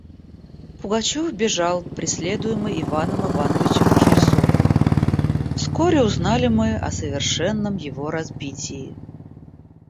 Пугачев бежал, преследуемый Иваном Ивановичем Михельсоном. Вскоре узнали мы о совершенном его разбитии.